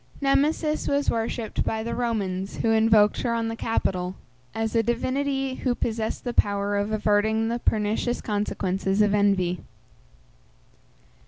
Nemesis was worshipped by the Romans, (who invoked her on the Capitol), as a divinity who possessed the power of averting the pernicious consequences of envy.